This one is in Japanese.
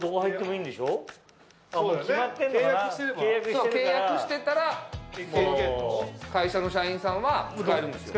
そう契約してたら会社の社員さんは使えるんですよ。